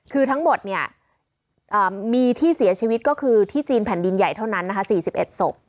คือทั้งหมดมีที่เสียชีวิตก็คือที่จีนแผ่นดินใหญ่เท่านั้น๔๑ศพ